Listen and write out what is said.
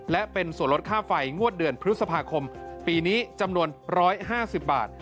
และเป็นส่วนลดค่าไฟงวดเดือนพฤษภาคมปีนี้จำนวน๑๕๐บาท